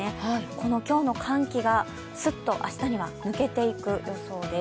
この今日の寒気がすっと明日には抜けていく予想です。